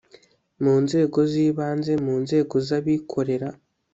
mu nzego z ibanze mu nzego z abikorera